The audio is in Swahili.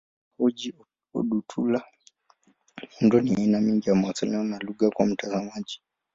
Kwa Ojih Odutola, muundo ni aina ya mawasiliano na lugha kwa mtazamaji.